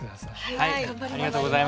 はい。